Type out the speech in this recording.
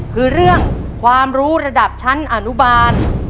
คือเรื่องความรู้ระดับชั้นอนุบาล